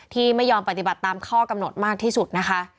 ที่ไม่ยอมปฏิบัติตามข้อกำหนดมากที่สุดนะคะ